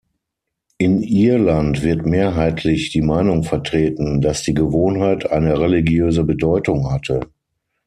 In Irland wird mehrheitlich die Meinung vertreten, dass die Gewohnheit eine religiöse Bedeutung hatte.